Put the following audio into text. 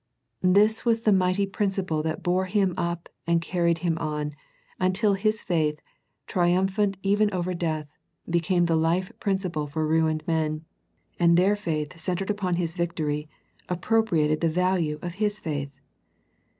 This was the mighty principle that bore Him up and carried Him on, until His faith, triumphant even over death, became the life principle for ruined men, and their faith centred upon His victory, appropriated the value of His faith.